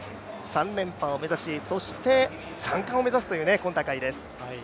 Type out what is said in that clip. ３連覇を目指し、そして３冠を目指す今大会です。